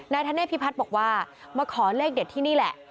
ธเนธพิพัฒน์บอกว่ามาขอเลขเด็ดที่นี่แหละ